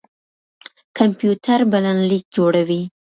کمپيوټر بلنليک جوړوي.